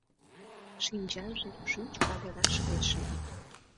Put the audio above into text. Шинчаже шӱч падыраш гай шеме.